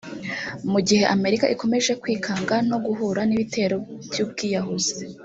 Mu gihe Amerika ikomeje kwikanga no guhura n’ibitero by’ubwiyahuzi